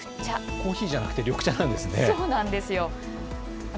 コーヒーじゃなくて緑茶なんですね。